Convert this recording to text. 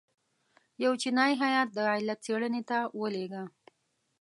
یو چینایي هیات د علت څېړنې ته ولېږه.